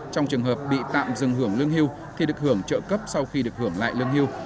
trong trường hợp bị tạm dừng hưởng lương hưu thì được hưởng trợ cấp sau khi được hưởng lại lương hưu